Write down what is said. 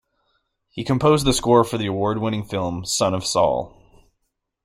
He composed the score for the award-winning film "Son of Saul".